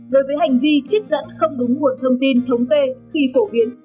đối với hành vi trích dẫn không đúng nguồn thông tin thống kê khi phổ biến